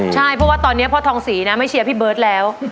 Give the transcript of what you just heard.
ใช่เพราะว่าตอนนี้พ่อทองศรีนะไม่เชียร์พี่เบิร์ตแล้ว